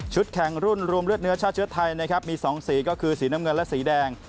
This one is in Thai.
แข่งรุ่นรวมเลือดเนื้อชาติเชื้อไทยนะครับมี๒สีก็คือสีน้ำเงินและสีแดง